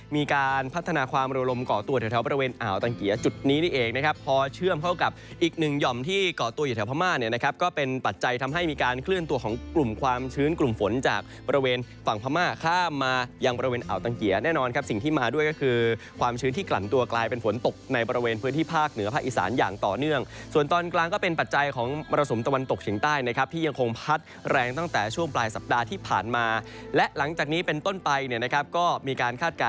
มีการพัฒนาความรวมก่อตัวแถวบริเวณอ่าวตังเกียจุดนี้นี่เองนะครับพอเชื่อมเข้ากับอีกหนึ่งหย่อมที่ก่อตัวอยู่แถวพม่านะครับก็เป็นปัจจัยทำให้มีการเคลื่อนตัวของกลุ่มความชื้นกลุ่มฝนจากบริเวณฝั่งพม่าข้ามมายังบริเวณอ่าวตังเกียแน่นอนครับสิ่งที่มาด้วยก็คือความชื้นที่ก